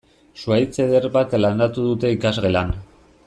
Zuhaitz eder bat landatu dute ikasgelan.